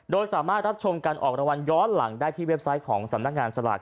โดยสามารถรับชมการออกรางวัลย้อนหลังได้ที่เว็บไซต์ของสำนักงานสลาก